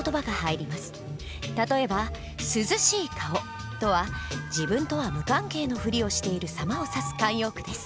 例えば「涼しい顔」とは自分とは無関係のふりをしているさまを指す慣用句です。